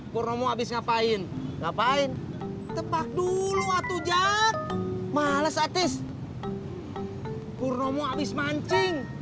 purnomo habis ngapain ngapain tebak dulu atuh jack males atis purnomo habis mancing